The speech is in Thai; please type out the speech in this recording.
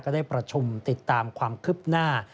ได้ประชุมติดตามความคืบหน้า